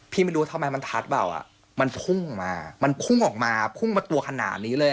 พี่ไม่รู้ทำไมมันทัดเปล่ามันพุ่งมามันพุ่งมาตัวขนาดนี้เลย